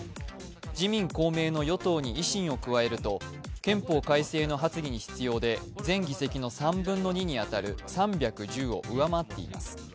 自民・公明の与党に維新を加えると憲法改正の発議に必要で全議席の３分の２に当たる３１０を上回っています。